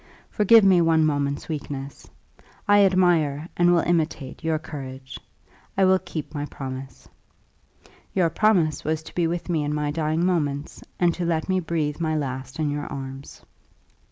Forgive me one moment's weakness. I admire, and will imitate, your courage. I will keep my promise." "Your promise was to be with me in my dying moments, and to let me breathe my last in your arms."